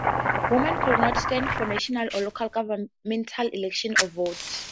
Women could not stand for national or local governmental elections or vote.